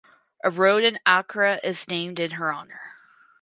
A road in Accra is named in her honour.